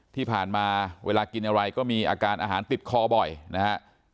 ที่ผ่านมาเวลากินอะไรก็มีอาการอาหารติดคอบ่อยนะฮะ